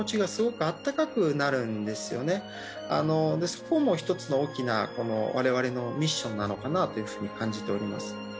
そこも１つの大きな我々のミッションなのかなと感じております。